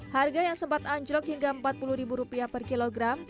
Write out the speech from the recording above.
harga yang sempat anjlok hingga rp empat puluh per kilogram